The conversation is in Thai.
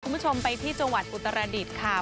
คุณผู้ชมไปที่จังหวัดอุตรดิษฐ์ค่ะ